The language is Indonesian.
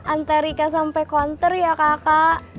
anta rika sampe konter ya kakak